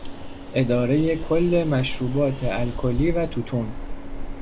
ادارهی کل مشروبات الکلی و توتون